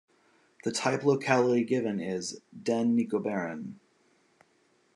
The type locality given is "den Nikobaren".